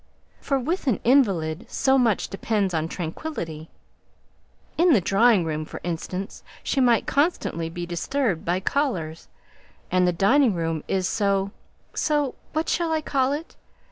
"For with an invalid so much depends on tranquillity. In the drawing room, for instance, she might constantly be disturbed by callers; and the dining room is so so what shall I call it?